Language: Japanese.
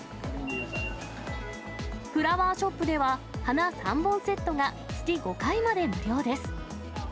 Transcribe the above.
フラワーショップでは、花３本セットが月５回まで無料です。